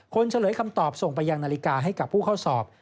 เฉลยคำตอบส่งไปยังนาฬิกาให้กับผู้เข้าสอบ